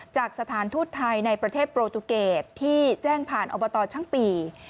จากสถานทูตไทยในประเทศโปรตุเกตที่แจ้งผ่านอบตช่างปี